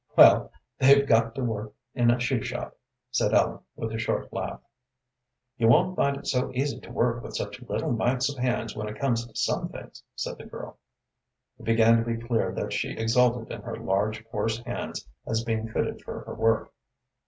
"Well, they've got to work in a shoe shop," said Ellen, with a short laugh. "You won't find it so easy to work with such little mites of hands when it comes to some things," said the girl. It began to be clear that she exulted in her large, coarse hands as being fitted for her work.